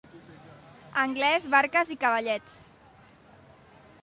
Anglès, barques i cavallets.